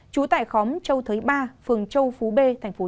trú tại khóm châu thới ba phường châu phú b tp châu đốc tỉnh an giang